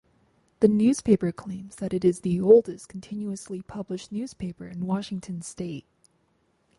The newspaper claims that it is the oldest continuously published newspaper in Washington state.